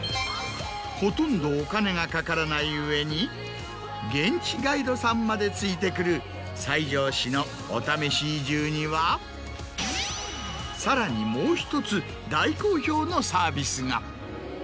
ほとんどお金がかからない上に現地ガイドさんまで付いてくる西条市のお試し移住にはさらにもう１つ大好評のサービスが。